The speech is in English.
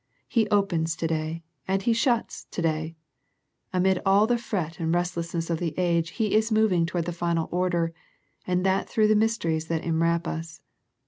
He opens to day, and He shuts to day. Amid all the fret and restlessness of the age He is moving toward the final order, and that through the mysteries that enwrap us.